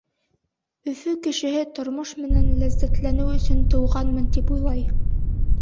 Өфө кешеһе тормош менән ләззәтләнеү өсөн тыуғанмын тип уйлай.